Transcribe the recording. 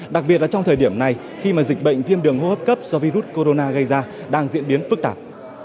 đặc biệt là trong thời điểm này khi mà dịch bệnh viêm đường hô hấp cấp do virus corona gây ra đang diễn biến phức tạp